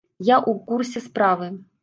Я ў курсе справы.